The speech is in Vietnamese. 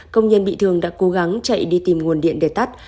công nhân bị thương đã cố gắng chạy đi tìm nguồn điện để tắt